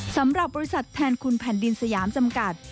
สำหรับบริษัทแทนคุณแผ่นดินสยามจำกัด